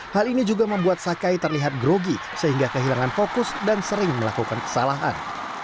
hal ini juga membuat sakai terlihat grogi sehingga kehilangan fokus dan sering melakukan kesalahan